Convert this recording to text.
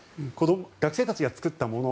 学生たちが作ったもの